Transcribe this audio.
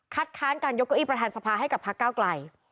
ค้านการยกเก้าอี้ประธานสภาให้กับพักเก้าไกล